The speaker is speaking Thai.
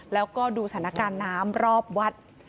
แล้วก็ดูสถานการณ์น้ำรอบวัด